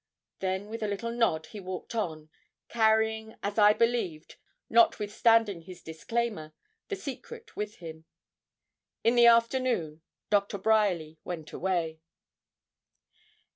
Then with a little nod he walked on, carrying, as I believed, notwithstanding his disclaimer, the secret with him. In the afternoon Doctor Bryerly went away.